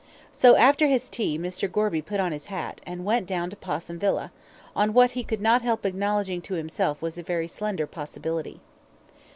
So, after his tea, Mr. Gorby put on his hat, and went down to Possum Villa, on what he could not help acknowledging to himself was a very slender possibility.